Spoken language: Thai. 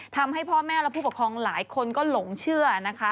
ทำให้พ่อแม่และผู้ปกครองหลายคนก็หลงเชื่อนะคะ